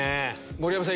盛山さん